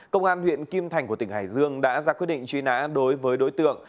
công an huyện kim thành của tỉnh hải dương đã ra quyết định truy nã đối với đối tượng